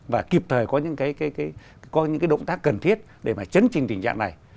và kịp thời có những cái động tác cần thiết để mà chấn trình tình trạng này